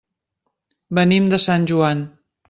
Venim de Sant Joan.